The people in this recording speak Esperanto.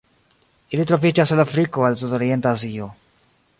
Ili troviĝas el Afriko al Sudorienta Azio.